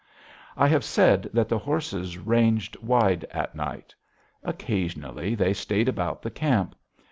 I have said that the horses ranged wide at night. Occasionally they stayed about the camp.